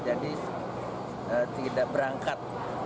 jadi tidak berangkat